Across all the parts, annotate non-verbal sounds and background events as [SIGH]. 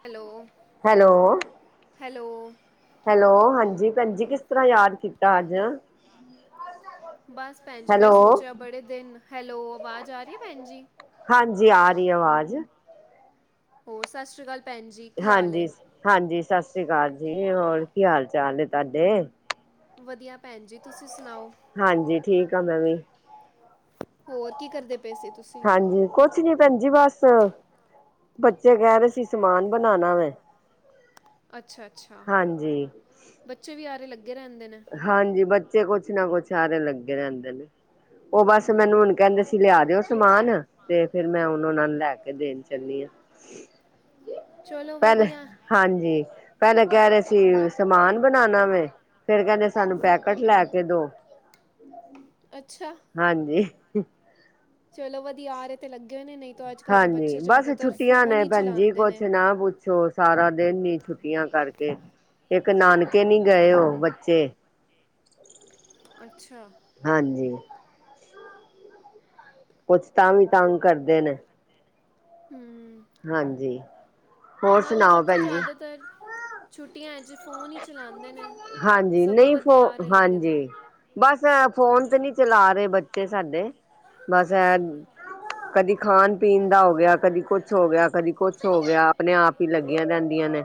Hello hello, hello. Hello ਹਾਂਜੀ ਭੈਣ ਜੀ ਕਿਸ ਤਰ੍ਹਾਂ ਯਾਦ ਕੀਤਾ ਆੱਜ। ਬਸ ਭੈਣ ਜੀ ਮੈਂ ਸੋਚਿਆ ਬੜੇ ਦਿਨ ਹੈਲੋ ਆਵਾਜ਼ ਆ ਰੀ ਐ ਭੈਣ ਜੀ। ਹਾਂਜੀ ਆ ਰੀ ਐ ਆਵਾਜ਼। ਹੋਰ ਸਾਸ੍ਰੀਕਾਲ। ਹਾਂਜੀ, ਹਾਂਜੀ ਸਾਸੀਕਾਲ ਜੀ ਹੋਰ ਕੀ ਹਾਲ ਚਾਲ ਐ ਤੁਆਡੇ। ਵਦੀਆ ਭੈਣ ਜੀ ਤੁਸੀਂ ਸੁਣਾਓ? ਹਾਂਜੀ ਠੀਕ ਆ ਮੈਂ ਵੀ। ਹੋਰ ਕੀ ਕਰਦੇ ਪੇ ਸੀ ਤੁਸੀਂ ਹਾਂਜੀ ਕੁਛ ਨੀ ਭੈਣ ਜੀ ਬਸ ਬੱਚੇ ਕੈ ਰੇ ਸੀ ਸਮਾਨ ਬਨਾਨਾ ਵੈਂ। ਅੱਛਾ-ਅੱਛਾ ਹਾਂਜੀ, ਬੱਚੇ ਵੀ ਆਰੇ ਲੱਗੇ ਰੈਂਦੇ ਨੇ। ਹਾਂਜੀ ਬੱਚੇ ਕੁਛ ਨਾ ਕੁਛ ਆਰੇ ਲੱਗੇ ਰੈਂਦੇ ਨੇ। ਓ ਬਸ ਮੈਨੂੰ ਹੂੰ ਹੁਣਮਨ ਕੈਂਦੇ ਸੀ ਲਿਆ ਦਿਓ ਸਮਾਨ ਤੇ ਫੇਰ ਮੈਂ ਹੁਨ ਓਨਾ ਨੂੰ ਲੈ ਕੇ ਦੇਣ ਚੱਲੀ ਆ। ਚਲੋ ਪੈਲੇ ਵਧੀਆ ਹਾਂਜੀ, ਪੈਲੇ ਕੈ ਰੇ ਸੀ ਸਮਾਨ ਬਨਾਨਾ ਵੇ ਫੇਰ ਕੈਂਦੇ ਸਾਨੂੰ ਪੈਕੇਟ ਲੈ ਕੇ ਦੋ। ਅੱਛਾ! ਹਾਂਜੀ। ਚਲੋ ਵਦੀਆ ਆਰੇ ਤੇ ਲੱਗੇ ਹੋਏ ਨੇ ਨਈ ਤੋ ਆੱਜ-ਕੱਲ ਦੇ ਹਾਂਜੀ ਬੱਚੇ ਬਸ ਜਾਦਾਤਰ ਫੋਨ ਈ ਚਲਾਂਦੇ ਨੇ। ਛੋ ਸਾਰਾ ਦਿਨ ਈ ਛੁੱਟੀਆਂ ਕਰਕੇ ਏਕ ਨਾਨਕੇ ਨੀ ਗਏ ਓ ਬੱਚੇ। ਅੱਛਾ। ਹਾਂਜੀ। ਕੁਛ ਤਾਂ ਵੀ, ਤੰਗ ਕਰਦੇ ਨੇ। ਹੂੰ ਹਾਂਜੀ। ਹੋਰ ਨਾਲੇ ਸੁਣਾਓ ਬੱਚੇ ਭੈਣ ਜੀ ਜ਼ਿਆਦਾਤਰ, ਛੁੱਟੀਆਂ 'ਚ ਫੋਨ ਹੀ ਚਲਾਉਂਦੇ ਨੇ ਹਾਂਜੀ, ਸਗੋਂ ਨਹੀਂ ਫੋ, ਵਧੀਆ ਲੱਗਦੇ ਦੇ ਨੇ ਹਾਂਜੀ ਬਸ ਐ ਫੋਨ ਤੇ ਨਹੀਂ ਚਲਾ ਰਹੇ ਬੱਚੇ ਸਾਡੇ, ਬਸ ਐ [UNINTELLIGIBLE] ਕਦੀ ਖਾਣ-ਪੀਣ ਦਾ ਹੋ ਗਿਆ, ਕਦੀ ਕੁਛ ਹੋ ਗਿਆ, ਕਦੀ ਕੁਛ ਹੋ ਗਿਆ, ਆਪਣੇ ਆਪ ਹੀ ਲੱਗੀਆਂ ਰਹਿੰਦੀਆਂ ਨੇ।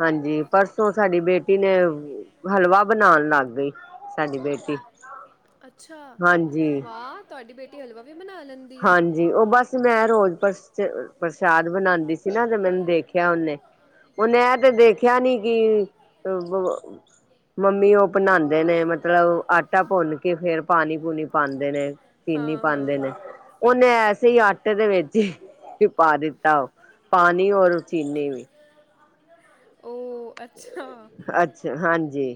ਹਾਂਜੀ, ਪਰਸੋਂ ਸਾਡੀ ਬੇਟੀ ਨੇ ਹਲਵਾ ਬਣਾਉਣ ਲੱਗ ਗਈ, ਸਾਡੀ ਬੇਟੀ, ਹਾਂਜੀ ਆਹ, ਤੁਹਾਡੀ ਬੇਟੀ ਹਲਵਾ ਵੀ ਬਣਾ ਲੈਂਦੀ ਆ ਹਾਂਜੀ, ਉਹ ਬਸ ਮੈਂ ਰੋਜ਼ ਪਰਸ 'ਚ ਅ ਪ੍ਰਸ਼ਾਦ ਬਣਾਉਂਦੀ ਸੀ ਨਾ, ਤੇ ਮੈਨੂੰ ਦੇਖਿਆ ਉਹਨੇ ਉਹਨੇ ਇਹ ਤੇ ਦੇਖਿਆ ਨੀ ਕਿ, ਅ, ਬ, ਅ ਮੰਮੀ ਉਹ ਬਣਾਉਂਦੇ ਨੇ ਮਤਲਬ, ਆਟਾ ਭੁੰਨ ਕੇ ਫੇਰ ਪਾਣੀ ਪੂਣੀ ਪਾਉਂਦੇ ਨੇ ਚੀਨੀ ਹਾਂ ਪਾਂਦੇ ਨੇ, ਹਾਂ ਉਹਨੇ ਐਸੇ ਹੀ ਆਟੇ ਦੇ ਵਿੱਚ ਈ ਔਰ ਚੀਨੀ ਵੀ [UNINTELLIGIBLE] ਉਹ, ਅੱਛਾ 'ਚ ਹਾਂਜੀ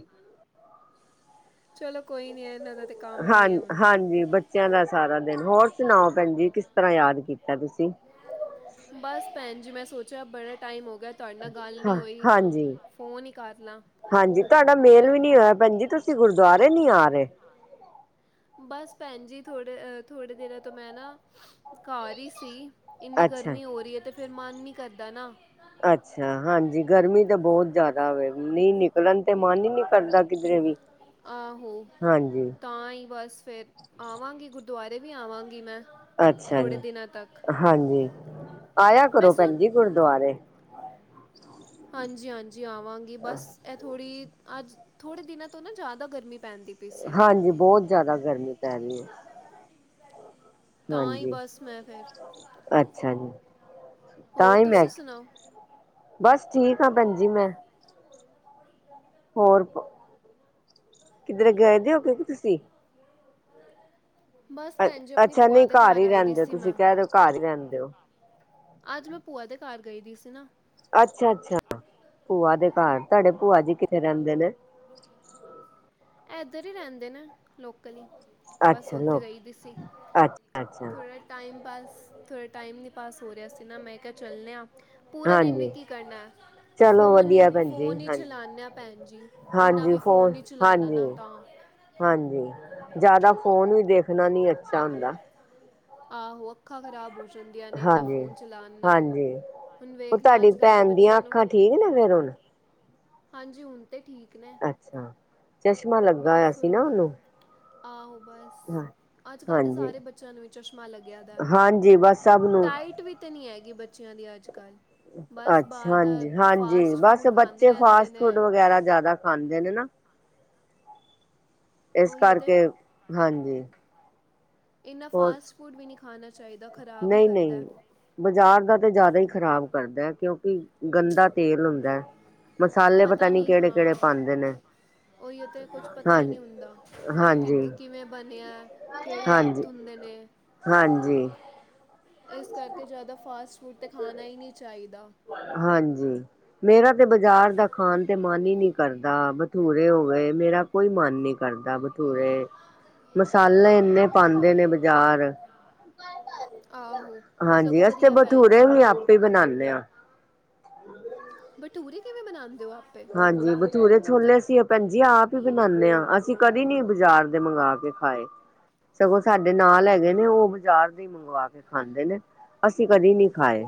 ਚਲੋ ਕੋਈ ਨੀ, ਇਹਨਾਂ ਦਾ ਤੇ ਕੰਮ ਹੀ ਹਾਂ, ਹੈ ਹੁਣ ਹਾਂਜੀ ਬੱਚਿਆਂ ਦਾ ਸਾਰਾ ਦਿਨ, ਹੋਰ ਸੁਣਾਓ ਭੈਣ ਜੀ, ਕਿਸ ਤਰ੍ਹਾਂ ਯਾਦ ਕੀਤਾ ਤੁਸੀਂ? ਬਸ ਭੈਣ ਜੀ, ਮੈਂ ਸੋਚਿਆ ਬੜਾ ਟਾਈਮ ਹੋ ਗਿਆ ਤੁਹਾਡੇ ਨਾਲ ਗੱਲ ਹਾਂ ਨਹੀਂ ਹੋਈ, ਹਾਂਜੀ ਫੋਨ ਹੀ ਕਰ ਲਾਂ। ਹਾਂਜੀ, ਤੁਹਾਡਾ ਮੇਲ ਵੀ ਨਹੀਂ ਹੋਇਆ ਭੈਣ ਜੀ, ਤੁਸੀਂ ਗੁਰਦੁਆਰੇ ਨੀ ਆ ਰਹੇ? ਬਸ ਭੈਣ ਜੀ, ਥੋੜੇ ਅ ਥੋੜੇ ਦਿਨਾਂ ਤੋਂ ਮੈਂ ਨਾ ਘਰ ਹੀ ਸੀ, ਇੰਨੀ ਅੱਛਾ ਗਰਮੀ ਹੋ ਰਹੀ ਏ ਤੇ ਫਿਰ ਮਨ ਨਹੀਂ ਕਰਦਾ ਨਾ। ਅੱਛਾ, ਹਾਂਜੀ, ਗਰਮੀ ਤੇ ਬਹੁਤ ਜ਼ਿਆਦਾ ਵੇ ਨੀਂ ਨਿਕਲਣ ਤੇ ਮਨ ਹੀ ਨਹੀਂ ਕਰਦਾ। ਕਿਧਰੇ ਵੀ ਆਹੋ, ਹਾਂਜੀ ਤਾਂ ਹੀ ਬਸ ਫਿਰ ਆਵਾਂਗੀ, ਗੁਰਦੁਆਰੇ ਵੀ ਆਵਾਂਗੀ ਮੈਂ ਅੱਛਾ ਥੋੜ੍ਹੇ ਜੀ, ਦਿਨਾਂ ਤੱਕ ਹਾਂਜੀ, ਆਇਆ ਮੈਂ ਕਰੋ ਸੁਣ ਭੈਣ ਜੀ ਗੁਰਦੁਆਰੇ। ਹਾਂਜੀ-ਹਾਂਜੀ ਆਵਾਂਗੀ ਬਸ, ਇਹ ਥੋੜ੍ਹੀ ਅੱਜ, ਥੋੜੇ ਦਿਨਾਂ ਤੋਂ ਨਾ ਜ਼ਿਆਦਾ ਗਰਮੀ ਪੈਂਦੀ ਪਈ ਸੀ ਹਾਂਜੀ, ਬਹੁਤ ਜਿਆਦਾ ਗਰਮੀ ਪੈ ਰਹੀ ਏ। ਤਾਂ ਹੀ ਬਸ ਮੈਂ ਫਿਰ, ਅੱਛਾ ਜੀ। ਤਾਂ ਹੋਰ ਹੀ ਮੈਂ ਤੁਸੀਂ ਸੁਣਾਓ? ਬਸ ਠੀਕ ਆ, ਭੈਣ ਜੀ ਮੈਂ [UNINTELLIGIBLE] ਹੋਰ ਪੋ, ਕਿਧਰੇ ਗਏ ਦੇ ਓ ਕੀ ਤੁਸੀਂ? [UNINTELLIGIBLE] ਬਸ ਭੈਣ ਜੀ, ਆਪਣੀ ਅੱਛਾ ਭੂਆ ਨਹੀਂ ਦੇ ਘਰ ਹੀ ਆਈ ਦੀ ਰਹਿੰਦੇ ਹੋ ਸੀ ਤੁਸੀਂ ਮੈਂ। ਕਹਿ ਰਹੇ ਹੋ ਘਰ ਹੀ ਰਹਿੰਦੇ ਹੋ। ਅੱਜ ਮੈਂ, ਭੂਆ ਦੇ ਘਰ ਗਈ ਦੀ ਸੀ ਨਾ। ਅੱਛਾ ਅੱਛਾ ਭੂਆ ਦੇ ਘਰ, ਤੁਹਾਡੇ ਭੂਆ ਜੀ ਕਿੱਥੇ ਰਹਿੰਦੇ ਨੇ? ਇੱਧਰ ਹੀ ਰਹਿੰਦੇ ਨੇ। ਲੋਕਲ ਈ, ਬਸ ਅੱਛਾ ਉੱਥੇ ਲੋਕ ਗਈ ਦੀ ਸੀ, ਅੱਛਾ ਅੱਛਾ ਥੋੜ੍ਹਾ ਟਾਈਮ ਪਾਸ, ਥੋੜ੍ਹਾ ਟਾਈਮ ਨਹੀਂ ਪਾਸ ਹੋ ਰਿਹਾ ਸੀ ਨਾ ਮੈਂ ਕਿਹਾ ਚੱਲਨੇ ਆ ਪੂਰੇ ਦਿਨ ਵੀ ਹਾਂਜੀ। ਕੀ ਕਰਨਾ ਆਂ। ਚਲੋ ਫੋਨ ਵਧੀਆ ਹੀ, ਭੈਣ ਜੀ ਫੋਨ ਹੀ ਹਾਂਜੀ, ਚਲਾ ਨੇ ਆ ਭੈਣ ਜੀ, ਇੰਨਾ ਵੀ ਫੋਨ ਨੀ 'ਚ ਹਾਂਜੀ, ਹਾਂਜੀ, ਜ਼ਿਆਦਾ ਫੋਨ ਵੀ ਦੇਖਣਾ ਨੀ ਅੱਛਾ ਹੁੰਦਾ। ਆਹੋ, ਅੱਖਾਂ ਖ਼ਰਾਬ ਹੋ ਜਾਂਦੀਆਂ ਨੇ ਇਨਾਂ ਹਾਂਜੀ ਫ਼ੋਨ ਚਲਾਉਣ ਨਾਲ। ਹਾਂਜੀ ਹੁਨ ਉਹ ਵੇਖਲੋ ਤੁਹਾਡੀ ਅੱਜ ਕੱਲ੍ਹ ਦੇ ਭੈਣ ਦੀਆਂ ਬੱਚੇਆਂ ਨੂੰ ਅੱਖਾਂ ਠੀਕ ਨੇ ਫੇਰ ਹੁਣ ਹਾਂਜੀ ਹੁਨ ਤੇ ਠੀਕ ਨੇ। ਅੱਛਾ, ਚਸ਼ਮਾ ਲੱਗਾ ਹਆ ਬਸ ਸੀ ਹੁਣ ਨਾ ਉਹਨੂੰ ਆਹੋ ਬ ਸ ਹਾਂ ਅੱਜ ਕੱਲ੍ਹ ਤਾਂ ਹਾਂਜੀ ਸਾਰੇ ਬੱਚੇਆਂ ਨੂੰ ਵੀ ਚਸ਼ਮਾ ਲੱਗੇਆ ਦਾ ਹਾਂਜੀ ਬਸ ਸਭ ਨੂੰ ਡਾਇਟ ਟ ਵੀ ਤੇ ਨੀ ਹੈਗੀ ਬੱਚੇਆਂ ਦੀ ਅੱਜ ਕੱਲ੍ਹ। ਬਸ ਅੱਛਾ ਬਾਹਰ ਦਾ ਹਾਂਜੀ-ਹਾਂਜੀ ਫਾਸਟ ਬਸ ਫੂਡ ਖਾਂਦੇ ਬੱਚੇ ਰਹਿੰਦੇ ਫਾਸਟ ਫੂਡ ਨੇ ਵਗੈਰਾ ਜਾਦਾ ਖਾਂਦੇ ਨੇ ਨਾ। ਇਸ ਉਹੀ ਤੇ ਕਰਕੇ ਹਾਂਜੀ। ਇੰਨਾ ਹੋਰ ਫਾਸਟ ਫੂਡ ਵੀ ਨਹੀਂ ਖਾਨਾ ਚਾਹੀਦਾ ਖ਼ਰਾਬ ਹੀ ਨਹੀਂ ਕਰਦਾ ਨਹੀਂ ਏ। ਬਾਜ਼ਾਰ ਦਾ ਤਾਂ ਜਾਦਾ ਹੀ ਖ਼ਰਾਬ ਕਰਦਾ ਹੈ ਕਿਉਂਕਿ ਗੰਦਾ ਤੇਲ ਹੁੰਦਾ ਹੈ। ਮਸਾਲੇ ਪਤਾ ਨੀ ਕੇੜੇ ਕੇੜੇ ਪਾਂਦੇ ਨੇ ਓਹੀਓ ਤੇ ਕੁਛ ਪਤਾ ਹੀ ਹਾਂਜੀ, ਨਹੀਂ ਹੁੰਦਾ ਕਿਦ ਹਾਂਜੀ, ਕਿਵੇਂ ਬਨੇਆ ਹੈ। ਕੇੜੇ ਹਾਂਜੀ, ਹੱਥ ਹੁੰਦੇ ਨੇ। ਹਾਂਜੀ ਇਸ ਕਰਕੇ ਜਾਦਾ ਫਾਸਟ ਫੂਡ ਤੇ ਖਾਣਾ ਹੀ ਨਹੀਂ ਚਾਹੀਦਾ। ਹਾਂਜੀ ਮੇਰਾ ਤੇ ਬਾਜ਼ਾਰ ਦਾ ਖਾਣ ਤੇ ਮਨ ਹੀ ਨੀ ਕ ਕਰਦਾ ਬਟੂਰੇ ਹੋ ਗਏ ਮੇਰਾ ਕੋਈ ਮਨ ਨੀ ਕਰਦਾ ਬਟੂਰੇ ਮਸਾਲੇ ਏਨੇ ਪਾਂਦੇ ਨੇ ਬਾਜ਼ਾਰ। ਬਾਏ-ਬਾਏ। ਆਹੋ ਹਾਂਜੀ, ਸਗੋਂ ਅਸੀਂ ਤੇ ਵਧੀਆ ਭੈਣ ਬਟੂਰੇ ਜੀ ਵੀ ਆਪੇ ਬਨਾਂਨੇ ਹਾਂ। ਬਟੂਰੇ ਕਿਵੇਂ ਬਨਾਂਦੇ ਹੋ ਆਪੇ? ਹਾਂਜੀ, ਬਠੂਰੇ ਛੋਲੇ ਅਸੀਂ ਭੈਣ ਜੀ ਆਪ ਹੀ ਬਨਾਂਦੇ ਹਾਂ, ਅਸੀਂ ਕਦੇ ਨੀ ਬਾਜ਼ਾਰ ਦੇ ਮੰਗਵਾ ਕੇ ਖਾਏ। ਸਗੋਂ ਸਾਡੇ ਨਾਲ ਹੈਗੇ ਨੇ ਉਹ ਬਜ਼ਾਰ ਦੇ ਮੰਗਵਾ ਕੇ ਖਾਂਦੇ ਨੇ ਅਸੀਂ ਕਦੇ ਨਹੀਂ ਖਾਏ।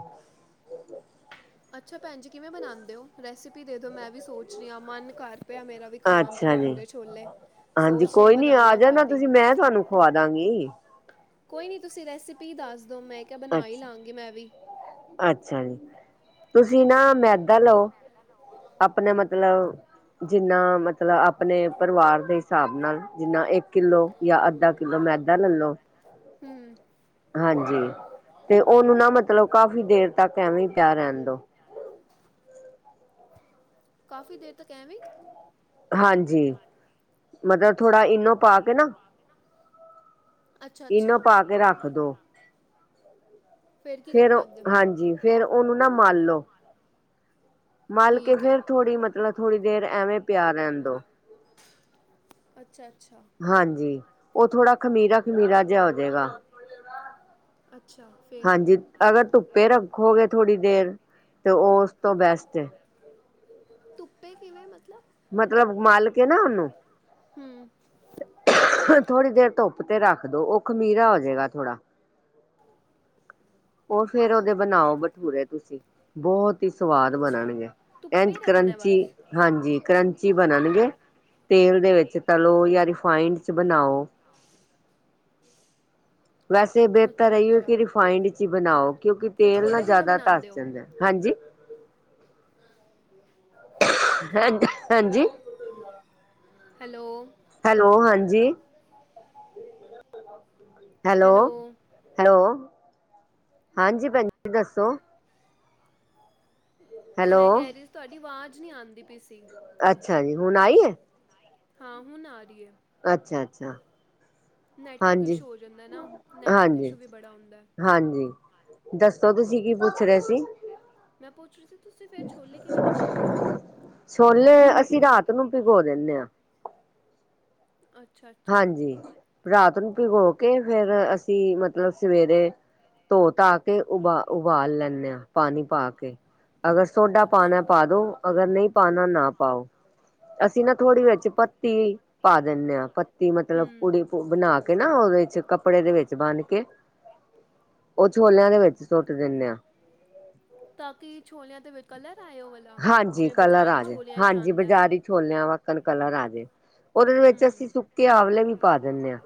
ਅੱਛਾ ਭੈਣ ਜੀ ਕਿਵੇਂ ਬਣਾਂਦੇ ਹੋ? ਰੈਸਪੀ ਦੇ ਦੋ ਮੈਂ ਵੀ ਸੋਚ ਰਹੀ ਹਾਂ ਮਨ ਕਰ ਪਿਆ ਮੇਰਾ ਵੀ ਖਾਣ ਤੇ ਅੱਛਾ ਜੀ। ਬਟੂਰੇ ਛੋਲੇ। ਹਾਂਜੀ ਸੋਚ ਰੀਆ ਕੋਈ ਨੀ ਆ ਬਨਾਲਾ ਜਾਣਾ ਘਰ ਹੀ। ਤੁਸੀਂ ਮੈਂ ਤੁਹਾਨੂੰ ਖਵਾਦਾਂਗੀ। ਕੋਈ ਨੀ ਤੁਸੀਂ ਰੈਸਪੀ ਦੱਸ ਦੋ ਮੈਂ ਕੇਹਾ ਬਣਾ ਹੀ ਅੱਛਾ ਲਵਾਂਗੀ ਮੈਂ ਵੀ। ਅੱਛਾ ਜੀ‌ ਤੁਸੀਂ ਨਾ ਮੈਦਾ ਲਓ ਹੇਲੋ। [INAUDIBLE] ਆਪਨੇ ਮਤਲਬ ਜਿੰਨਾ ਮਤ ਲਬ ਆਪਣੇ ਪਰਵਾਰ ਦੇ ਹਿਸਾਬ ਨਾਲ ਜਿੰਨਾ ਏਕ ਕਿੱਲੋ ਜਾਂ ਅੱਧਾ ਕਿੱਲੋ ਮੈਦਾ ਲੈਲੋ। ਹਮ ਹਾਂਜੀ ਤੇ ਉਹਨੂੰ ਨਾ ਮਤਲਬ ਕਾਫ਼ੀ ਦੇਰ ਤੱਕ ਐਵੇਂ ਹੀ ਪੇਆ ਰਰੇ ਰੇਣ ਦੋ। ਕਾਫ਼ੀ ਦੇਰ ਤੱਕ ਐਵੇਂ ਹੀ? ਹਾਂਜੀ ਮਤਲਬ ਥੋੜਾ ਇਨੋ ਇਨੋ ਪਾ ਕੇ ਨਾ ਅੱਛ- ਇਨੋ ਅੱਛਾ ਪਾ ਇਨੋ ਰੱਖ ਪਾ ਕੇ ਰਖ ਦੋ। ਫੇਰ ਅੱਗੇ ਹਾਂਜੀ ਫੇਰ ਉਹਨੂੰ ਨਾ ਮਲ ਲੋ। ਮਲ ਕੇ ਠੀਕ ਹੈ ਫੇਰ ਥੋੜ੍ਹੀ ਮਤਲਬ ਥੋੜ੍ਹੀ ਦੇਰ ਐਵੇਂ ਪੇਆ ਰੈਣ ਦੋ। ਅੱਛਾ -ਅੱਛਾ ਹਾਂਜੀ ਉਹ ਥੋੜਾ ਖਮੀਰਾ- ਖ਼ਮੀਰਾ ਜਿਹਾ ਹੋਜੇਗਾ ਅੱਛਾ ਫਿਰ ਹਾਂਜੀ। ਅਗਰ ਧੁੱਪੇ ਰੱਖੋਗੇ ਥੋੜੀ ਦੇਰ, ਤੇ ਓ ਉਸ ਤੋਂ ਬੈਸਟ ਏ। ਧੁੱਪੇ ਕਿਵੇਂ ਮਤਲਬ? ਮਤਲਬ ਮਾਲ ਕੇ ਨਾ ਉਨੂੰ ਹੂੰ ਥੋੜ੍ਹੀ ਦੇਰ ਧੁੱਪ ਤੇ ਰੱਖ ਦੋ ਉਹ ਖਮੀਰਾ ਹੋਜੇਗਾ ਥੋੜਾ। ਉਹ ਫੇਰ ਉਹਦੇ ਬਣਾਓ ਬਠੂਰੇ ਤੁਸੀਂ ਬਹੁਤ ਹੀ ਸਵਾਦ ਅੱਛਾ ਬਣਨਗੇ। ਐਂਜ ਧੁੱਪੇ ਰੱਖਣਾ ਕਰੰਚੀ, ਬਸ ਹਾਂਜੀ ਕਰੰਚੀ ਬਣਨਗੇ। ਤੇਲ ਦੇ ਵਿੱਚ ਤਲੋ ਜਾਂ ਰਿਫਾਇੰਡ ਚ ਬਣਾਓ। [INAUDIBLE] ਵੈਸੇ ਬਿਹਤਰ ਅੱਛਾ ਏਹਿਓ ਕਿ ਅੱਛਾ ਰਿਫਾਈੰਡ ਚ ਬਣਾਓ ਕਿਉਂਕਿ ਤੇ ਤੇਲ ਨਾ ਛੋਲੇ ਕਿਵੇਂ ਜ਼ਿਆਦਾ ਧਸ ਬਣਾਉਂਦੇ ਹੋ ਜਾਂਦਾ ਐ। ਹਾਂਜੀ। [INAUDIBLE] ਹਾਂਜੀ ਹਾਂਜੀ ਹੈਲੋ। ਹੈਲੋ ਹਾਂਜੀ। ਹੈਲੋ ਹੈਲੋ, ਹਾਂਜੀ ਭੈਣ ਜੀ ਦੱਸੋ? ਹੈਲੋ ਮੈਂ ਕੈਰੀਸ ਤੁਹਾਡੀ ਆਵਾਜ਼ ਨਹੀਂ ਆਦੀ ਪੀ ਸੀ। ਅੱਛਾ ਜੀ ਹੁਣ ਆਈ ਐ। ਹਾਂ ਹੁਣ ਆ ਰਹੀ ਐ। ਅੱਛਾ ਅੱਛਾ। ਨੈੱਟਵਰਕ ਹਾਂਜੀ ਇਸ਼ੂ ਹੋ ਜਾਂਦਾ ਨਾ, ਨੈੱਟਵਰਕ ਹਾਂਜੀ ਇਸ਼ੂ ਵੀ ਬੜਾ ਆਉਦਾ। ਹਾਂਜੀ, ਦੱਸੋ ਤੁਸੀਂ ਕੀ ਪੁੱਛ ਰਹੇ ਸੀ? ਮੈਂ ਪੁੱਛ ਰਹੀ ਸੀ ਤੁਸੀਂ ਫਿਰ ਛੋਲੇ ਕਿਵੇਂ ਬਣਾਉਂਦੇ ਓ? ਛੋਲੇ ਅਸੀਂ ਰਾਤ ਨੂੰ ਭਿਗੋ ਦਿੰਦੇ ਆ। ਅੱਛਾ ਅੱਛਾ ਹਾਂਜੀ ਰਾਤ ਨੂੰ ਭਿਗੋ ਕੇ ਫੇਰ ਅਸੀਂ ਮਤਲਬ, ਸਵੇਰੇ ਧੋ ਤਾ ਤੇ ਉਬਾਲ- ਉਬਾਲ ਲੈਂਦੇ ਆ ਪਾਣੀ ਪਾ ਕੇ, ਅਗਰ ਸੋਡਾ ਅੱਛਾ ਪਾਣਾ ਪਾ ਦੋ ਅਗਰ ਨਹੀਂ ਪਾਣਾ ਨਾ ਪਾਓ, ਅਸੀਂ ਨਾ ਥੋੜ੍ਹੀ ਵਿਚ ਪੱਤੀ ਪਾ ਦਿੰਦੇ ਆ। ਕੀ ਮਤਲਬ ਪੁੜੀ ਹੂੰ ਬਣਾ ਕੇ ਨਾ ਉਹਦੇ ਵਿੱਚ ਕੱਪੜੇ ਦੇ ਵਿੱਚ ਬੰਨ ਕੇ, ਉਹ ਛੋਲਿਆਂ ਦੇ ਵਿੱਚ ਸੱਟ ਦਿੰਦੇ ਆ। ਤਾਂ ਕੀ ਛੋਲਿਆਂ ਤੇ ਵਿਚੱ ਕਲਰ ਆਇ ਓ ਵਾਲਾ? ਹਾਂਜੀ ਜਿਵੇਂ ਕਲਰ ਬਾਜ਼ਾਰੀ ਆਜੇ, ਛੋਲਿਆਂ 'ਚ ਹਾਂਜੀ ਆਉਂਦਾ ਹੈ ਬਾਜ਼ਾਰੀ ਛੋਲਿਆ ਵਕ ਕਣ ਕਲਰ ਆਜੇ ਉਹਦੇ ਵਿੱਚ ਅਸੀਂ ਹੂੰ ਸੁੱਕੇ ਆਵਲੇ ਵੀ ਪਾ ਦੇਨੇ ਆ।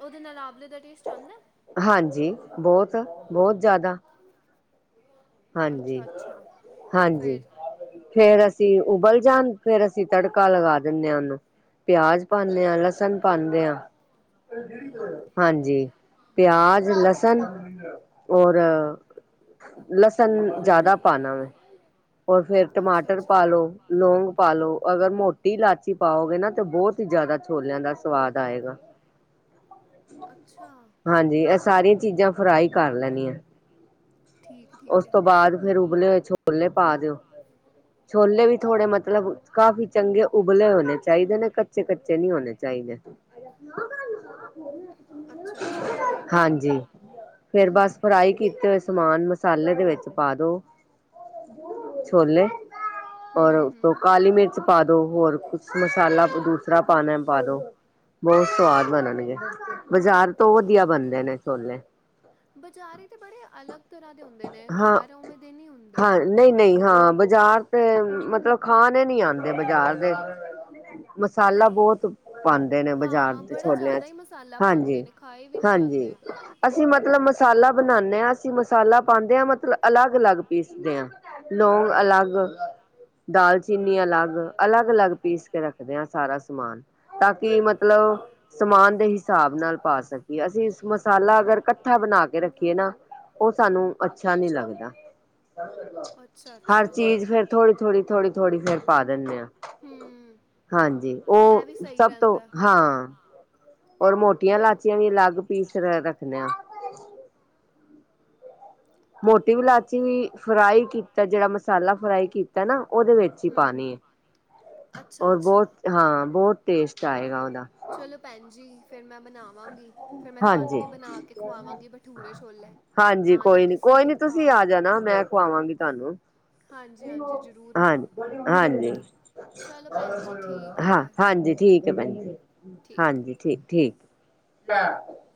ਉਹਦੇ ਨਾਲ ਆਵਲੇ ਦਾ ਟੇਸਟ ਆਦਾ? ਹਾਂਜੀ ਬੋਤ-ਬੋਤ ਜ਼ਿਆਦਾ। ਹਾਂਜੀ ਅੱਛਾ ਅੱਛਾ ਹਾਂਜੀ। ਫਿਰ ਫੇਰ ਅਸੀਂ ਉਬਲ ਜਾਣ ਫੇਰ ਅਸੀਂ ਤੜਕਾ ਲਗਾ ਦਿੰਦੇ ਹਾਂ ਉਹਨੂੰ। ਪਿਆਜ ਭੁੰਨ ਲਿਆ, ਲਸਣ ਪਾਦੇ ਆ, ਹਾਂਜੀ ਪਿਆਜ, ਲਸਣ ਔਰ ਲਸਣ ਜ਼ਿਆਦਾ ਪਾਣਾ ਵੈਂ, ਔਰ ਫੇਰ ਅੱਛਾ ਟਮਾਟਰ ਅੱਛਾ ਪਾ ਲੋੋ। ਲੋਂਂਗ ਪਾਾਲੋ ਅਗਰ ਮੋਟੀ ਇਲਾਚੀ ਪਾਓਗੇ ਨਾ ਤੇ ਬਹੁਤ ਹੀ ਜ਼ਿਆਦਾ ਛੋਲਿਆਂ ਦਾ ਸਵਾਦ ਆਏਗਾ। ਅੱਛਾ ਹਾਂਜੀ ਇਹ ਸਾਰੀਆਂ ਚੀਜ਼ਾਂ ਫਰਾਈ ਕਰ ਲੈਣੀ ਐ। ਠੀਕ ਉਸ ਠੀਕ ਹੈ ਤੋਂ ਬਾਅਦ ਫੇਰ ਉਬਲੇ ਹੋਏ ਛੋਲੇ ਪਾ ਦਿਓ। ਛੋਲੇ ਵੀ ਥੋੜੇ ਮਤਲਬ, ਕਾਫ਼ੀ ਚੰਗੇ ਉਬਲੇ ਹੋਣੇ ਚਾਹੀਦੇ ਨੇ ਕ ਕੱਚੇ -ਕੱਚੇ ਨਹੀਂ ਹੋਣੇ ਚਾਹੀਦੇ। ਅੱਛਾ ਅੱਛਾ ਠੀਕ ਹੈ ਹਾਂਜੀ, ਫੇਰ ਬਸ ਫਰਾਈ ਕੀਤੇ ਹੋਏ ਸਮਾਨ ਮਸਾਲੇ ਦੇ ਵਿੱਚ ਪਾ ਦੋ, ਛੋਲੇ ਹੂੰ ਔਰ ਹੂੰ ਉਸ ਹੂੰ ਤੋਂ ਕਾਲੀ ਮਿਰਚ ਪਾ ਦੋ, ਹੋਰ ਕੁਛ ਮਸਾਲਾ ਦੂਸਰਾ ਪਾਣਾ ਪਾ ਦੋ। ਬਹੁਤ ਸਵਾਦ ਬਣਨਗੇ, ਬਜ਼ਾਰ ਤੋਂ ਵਧੀਆ ਬਣਦੇ ਨੇ ਛੋਲੇ। ਬਜ਼ਾਰੇ ਤਾਂ ਬੜੇ ਅਲੱਗ ਤਰ੍ਹਾਂ ਦੇ ਹੁੰਦੇ ਨੇ, ਘਰ ਆਵੇਂ ਦੇ ਨਹੀਂ ਹੁੰਦੇ। ਨਹੀਂ ਨਹੀਂ, ਹਾਂ ਬਜ਼ਾਰ ਤੇ ਮਤਲਬ, ਖਾਣੇ ਨਹੀਂ‌ ਆਉਂਦੇ ਬਜ਼ਾਰ ਦੇ ਮਸਾਲਾ ਬਹੁਤ ਪਾਉਂਦੇ ਨੇ ਬਜ਼ਾਰ ਹਾਂ ਦੇ ਬੜਾ ਛੋਲਿਆਂ ਜ਼ਿਆਦਾ ਹੀ 'ਚ, ਮਸਾਲਾ ਪਾਉਂਦੇ ਹਾਂਜੀ ਨੇ ਖਾਏ ਵੀ ਨਹੀਂ ਹਾਂਜੀ। ਜਾਂਦੇ ਅਸੀਂ ਮਤਲਬ ਮਸਾਲਾ ਬਣਾਉਾਨਦੇ ਹਾਂ, ਅਸੀਂ ਮਸਾਲਾ ਪਾਉਂਦੇ ਹਾਂ ਮਤਲਬ ਅਲੱਗ ਅਲੱਗ ਪੀਸਦੇ ਹਾਂ, ਲੋਂਂਗ ਅਲੱਗ, ਦਾਲ ਚੀਨੀ ਅਲੱਗ, ਅਲੱਗ ਅਲੱਗ ਪੀਸ ਕੇ ਰੱਖਦੇ ਹ ਸਾਰਾ ਸਮਾਨ, ਤਾਂ ਕਿ ਮਤਲਬ ਸਮਾਨ ਦੇ ਹਿਸਾਬ ਨਾਲ ਪਾ ਸਕੀਏ, ਅਸੀਂ ਮਸਾਲਾ ਅਗਰ ਇਕੱਠਾ ਬਣਾ ਕੇ ਰੱਖੀਏ ਨਾ ਉਹ ਸਾਨੂੰ ਅੱਛਾ ਨੀ ਲੱਗਦਾ। ਅੱਛਾ ਹਰ ਅੱਛਾ ਚੀਜ਼ ਫੇਰ ਥੋੜ੍ਹੀ ਥੋੜ੍ਹੀ, ਥੋੜ੍ਹੀ ਥੋੜ੍ਹੀ ਫੇਰ ਪਾ ਦਿੰਦੇ ਆਾਂ। ਹੂੰ ਹਾਂਜੀ, ਇਹ ਉਹ ਵੀ ਸਹੀ ਸਭ ਤੋਂ ਰਹਿੰਦਾ ਹਾਂ ਔਰ ਬ ਮੋਟੀਆਂ ਲਾਚੀਆਂ ਵੀ, ਅਲੱਗ ਪੀਸ ਰੱਖਣੇ ਆ। ਮੋਟੀ ਵੀ ਲਾਚੀ ਫਰਾਈ ਕੀਤਾ ਜਿਹੜਾ ਮਸਾਲਾ, ਫਰਾਈ ਕੀ ਤਾ ਨਾ ਉਹਦੇ ਵਿੱਚ ਈ ਹੂੰ ਪਾਣੀ ਏ, ਅੱਛਾ ਔਰ ਬੋਅ ਅੱਛਾ ਹਾਂ ਬੋ ਟੇਸਟ ਆਏਗਾ ਉਹਦਾ। ਚਲੋ ਭੈਣ ਜੀ, ਫੇਰ ਮੈਂ ਬਣਾ ਵਾਂਗੀ ਫੇਰ ਮੈਂ ਤੁਹਾਨੂੰ ਹਾਂਜੀ। ਵੀ ਬਣਾ ਕੇ ਖੁਆਵਾਂਗੀ, ਭਠੂਰੇ-ਛੋਲੇ। ਹਾਂਜੀ ਕੋਈ ਨੀ, ਕੋਈ ਨੀ ਤੁਸੀਂ ਆ ਜਾਣਾ ਮੈਂ ਖੁਆਵਾਂਗੀ ਤੁਹਾਨੂੰ। ਹਾਂਜੀ-ਹਾਂਜੀ, ਜ਼ਰੂਰ। ਹਾਂ, ਹਾਂਜੀ। ਚਲੋ ਭੈਣ ਜੀ ਠੀਕ ਹੈ ਹਾਂ ਫਿਰ ਹਾਂਜੀ ਠੀਕ ਏ ਭੈਣ, ਠੀਕ ਹਾਂਜੀ ਠੀ ਠੀਕ। [INAUDIBLE]